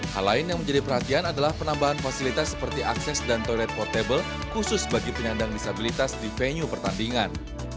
hal lain yang menjadi perhatian adalah penambahan fasilitas seperti akses dan toilet portable khusus bagi penyandang disabilitas di venue pertandingan